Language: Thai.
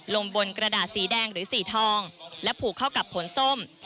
ลงบนกระดาษสีแดงหรือสีทองและผูกเข้ากับผลส้ม